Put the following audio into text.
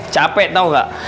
capek tau gak